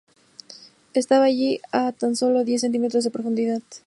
Estaba allí, a tan solo diez centímetros de profundidad.